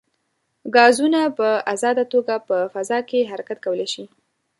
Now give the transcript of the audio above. ګازونه په ازاده توګه په فضا کې حرکت کولی شي.